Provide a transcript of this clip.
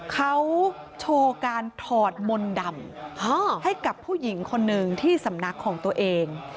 เขาโชว์การถอดมนต์ดำให้กับผู้หญิงคนหนึ่งที่สำนักของตัวเอง